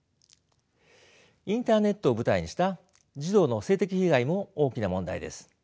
インターネットを舞台にした児童の性的被害も大きな問題です。